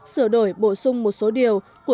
sửa đổi bổ sung một số điều